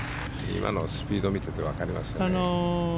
今のスピードを見てて分かりますよね。